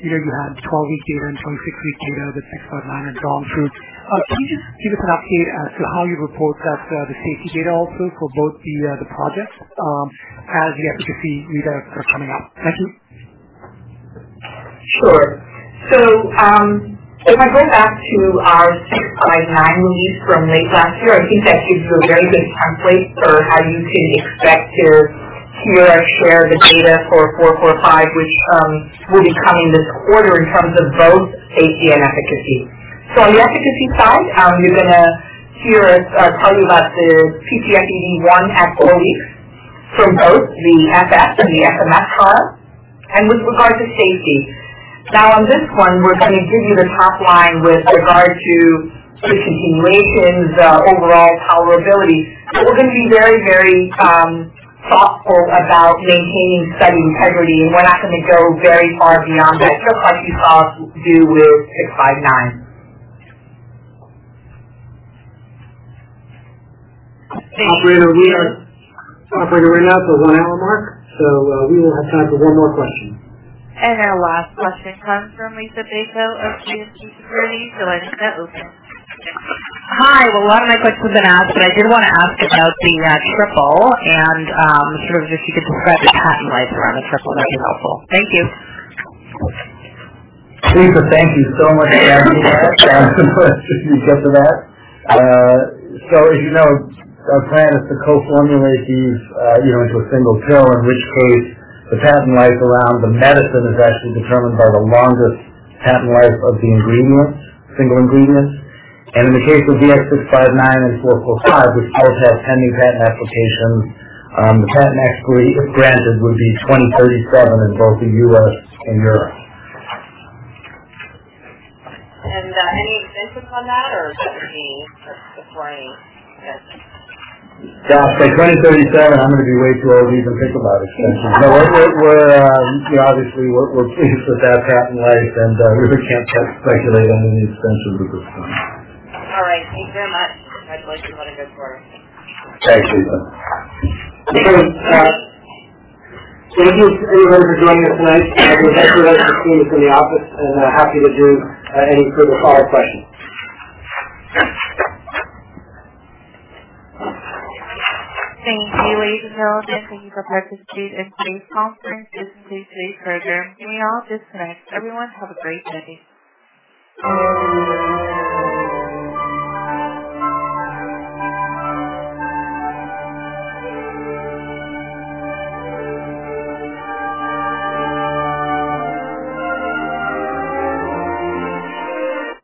you had 12-week data and 26-week data with VX-659 and [Dom3]. Can you just give us an update as to how you report the safety data also for both the projects as the efficacy readouts are coming up? Thank you. Sure. If I go back to our VX-659 release from late last year, I think that gives you a very good template for how you can expect to hear us share the data for 445, which will be coming this quarter in terms of both safety and efficacy. On the efficacy side, you're going to hear us tell you about the ppFEV1 at four weeks from both the F/F and the F/MF trial, and with regard to safety. On this one, we're going to give you the top line with regard to patient tolerations, overall tolerability. We're going to be very thoughtful about maintaining study integrity, and we're not going to go very far beyond what Suprashi] saw us do with VX-659. Thank you. Operator, we are right at the one-hour mark, so we will have time for one more question. Our last question comes from Liisa Bayko of JMP Securities. Liisa, that's open. Hi. A lot of my questions have been asked, but I did want to ask about the triple and if you could describe the patent life around the triple, that would be helpful. Thank you. Liisa, thank you so much for having me. I am surprised you could get to that. As you know, our plan is to co-formulate these into a single pill, in which case, the patent life around the medicine is actually determined by the longest patent life of the single ingredient. In the case of VX-659 and 445, which both have pending patent applications, the patent actually, if granted, would be 2037 in both the U.S. and Europe. Any extensions on that, or is that the plan? By 2037, I am going to be way too old to even think about extensions. Obviously, we are pleased with that patent life, and we really cannot speculate on any extensions at this point. All right. Thank you very much. Congratulations on a good quarter. Thanks, Liisa. Thank you. Thank you, everybody, for joining us tonight. The rest of the team is in the office and happy to do any further follow-up questions. Thank you, ladies and gentlemen, thank you for participating in today's conference. This concludes today's program. You may all disconnect. Everyone, have a great day.